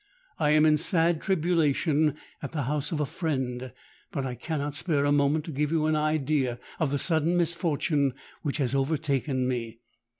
I am in sad tribulation—at the house of a friend; but I cannot spare a moment to give you an idea of the sudden misfortune which has overtaken me.